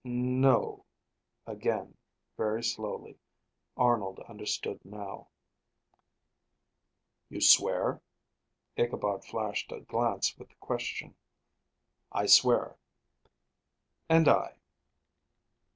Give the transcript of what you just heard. "No," again, very slowly. Arnold understood now. "You swear?" Ichabod flashed a glance with the question. "I swear." "And I."